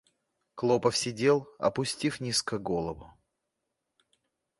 Клопов сидел, опустив низко голову.